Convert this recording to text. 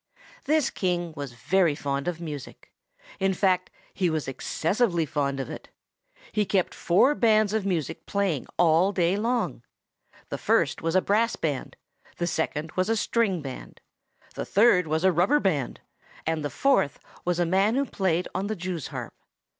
This King was very fond of music; in fact, he was excessively fond of it. He kept four bands of music playing all day long. The first was a brass band, the second was a string band, the third was a rubber band, and the fourth was a man who played on the jews harp.